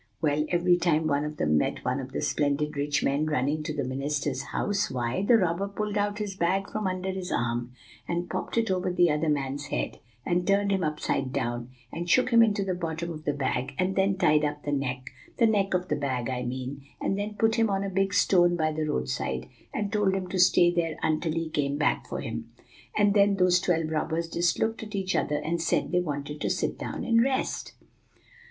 Well, every time one of them met one of the splendid rich men running to the minister's house, why, the robber pulled out his big bag from under his arm, and popped it over the other man's head, and turned him upside down, and shook him into the bottom of the bag, and then tied up the neck, the neck of the bag, I mean, and then put him on a big stone by the roadside, and told him to stay there until he came back for him. And then those twelve robbers just looked at each other, and said they wanted to sit down and rest."